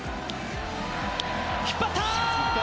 引っ張った！